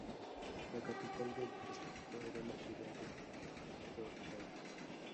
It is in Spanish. La capital del distrito era la ciudad de Torgau.